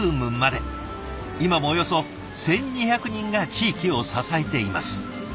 今もおよそ１，２００人が地域を支えています。